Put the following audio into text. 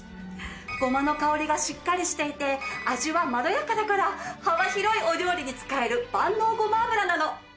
ごまの香りがしっかりしていて味はまろやかだから幅広いお料理に使える万能ごま油なの。